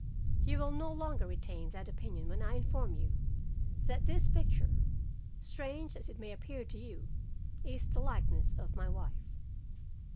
You will no longer retain that opinion when I inform you that this picture, strange as it may appear to you, is the likeness of my wife."